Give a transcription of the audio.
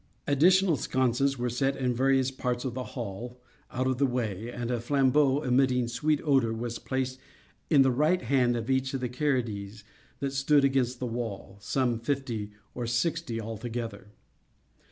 Additional sconces were set in various parts of the hall, out of the war, and a flambeau, emitting sweet odor, was placed in the right hand of each of the Caryaides [Caryatides] that stood against the wall—some fifty or sixty altogether.